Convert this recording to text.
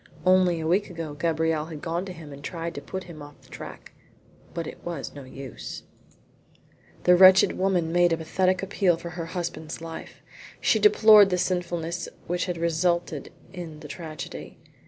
Only a week ago Gabrielle had gone to him and tried to put him off the track, but it was no use. The wretched woman made a pathetic appeal for her husband's life. She deplored the sinfulness which had resulted in the tragedy.